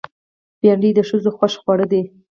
بېنډۍ د ښځو خوښ خوړ دی